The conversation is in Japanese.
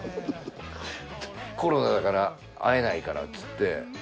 コロナだから会えないからっつって。